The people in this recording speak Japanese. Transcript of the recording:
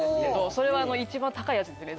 それは一番高いやつですね